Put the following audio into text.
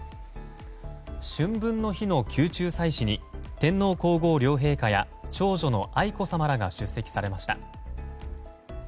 春分の日の宮中祭祀に天皇・皇后両陛下や長女の愛子さまらが出席されました。